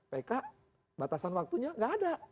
pk batasan waktunya nggak ada